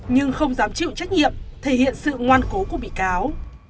nhưng không dám chịu trách nhiệm thể hiện sự ngoan cố của bị cáo